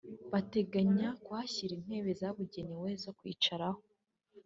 Barateganya kuhashyira intebe zabugenewe zo kwicaraho